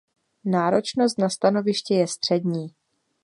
Náročnost na stanoviště je střední.